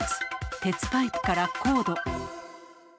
鉄パイプからコード。